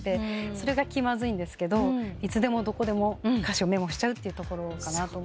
それが気まずいんですけどいつでもどこでも歌詞をメモしちゃうってところかなと。